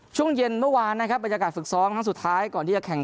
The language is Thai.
ช่วงเย็นเมื่อวานนะครับบรรยากาศฝึกซ้อมครั้งสุดท้ายก่อนที่จะแข่ง